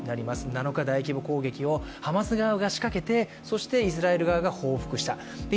７日、大規模攻撃をハマス側が仕掛けてイスラエル側が報復をした。